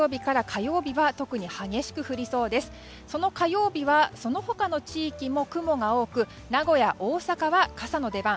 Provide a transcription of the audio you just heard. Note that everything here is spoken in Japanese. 火曜日はその他の地域も雲が多く名古屋、大阪は傘の出番。